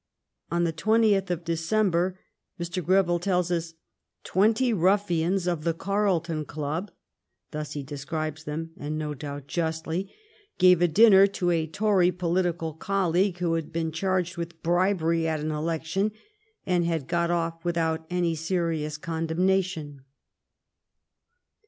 On the tw^enti eth of December, Mr. Greville tells us, " twenty ruffians of the Carlton Club" — thus he describes them, and no doubt justly — gave a dinner to a Tory political colleague who had been charged with bribery at an election and had got off with out any serious condemnation.